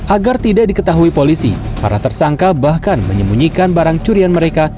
agar tidak diketahui polisi para tersangka bahkan menyembunyikan barang curian mereka